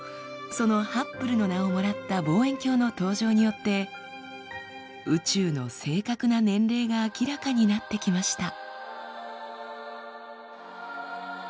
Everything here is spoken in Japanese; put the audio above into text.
そのハッブルの名をもらった望遠鏡の登場によって宇宙の正確な年齢が明らかになってきました。